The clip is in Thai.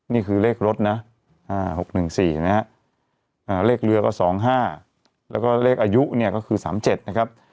นี่คือเลขรถนะ๖๑๔นะฮะเลขเรือก็๒๕แล้วก็เลขอายุเนี่ยก็คือ๓๗นะครับ